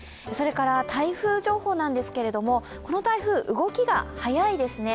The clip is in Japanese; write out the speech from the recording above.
台風情報なんですけれども、この台風、動きが速いですね。